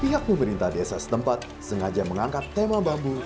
pihak pemerintah desa setempat sengaja mengangkat tema bambu